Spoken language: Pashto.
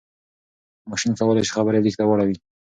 ماشين کولای شي خبرې ليک ته واړوي.